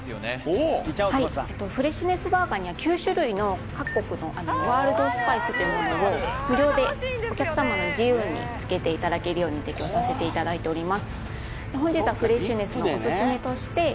フレッシュネスバーガーには９種類の各国のあのワールドスパイスというものを無料でお客様の自由につけていただけるように提供させていただいております